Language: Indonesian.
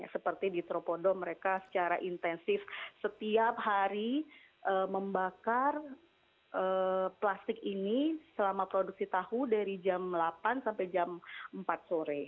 seperti di tropodo mereka secara intensif setiap hari membakar plastik ini selama produksi tahu dari jam delapan sampai jam empat sore